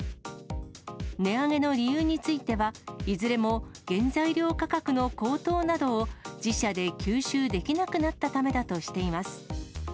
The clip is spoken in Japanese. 値上げの理由については、いずれも原材料価格の高騰などを自社で吸収できなくなったためだとしています。